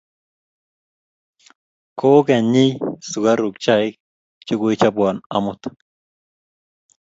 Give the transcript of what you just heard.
Kokinyei sukaruk chaik che koichopwa amut